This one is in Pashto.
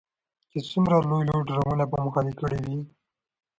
چې څومره لوی لوی ډرمونه به مو خالي کړي وي.